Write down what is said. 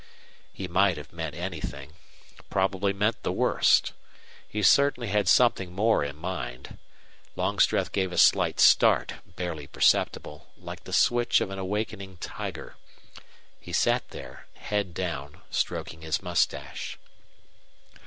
He might have meant anything, probably meant the worst. He certainly had something more in mind. Longstreth gave a slight start, barely perceptible, like the switch of an awakening tiger. He sat there, head down, stroking his mustache.